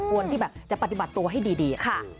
ควรที่จะปฏิบัติตัวให้ดี